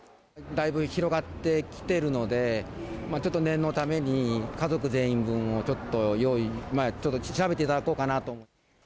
だいぶ広がってきてるので、ちょっと念のために、家族全員分をちょっと調べていただこうかなと。